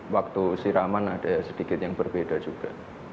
waktu siraman ada sedikit yang berbeda juga